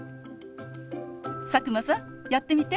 佐久間さんやってみて。